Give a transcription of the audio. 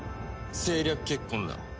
政略結婚だ。